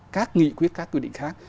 các nghị quyết các quy định khác